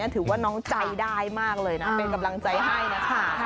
ถือว่าน้องใจได้มากเลยนะเป็นกำลังใจให้นะคะ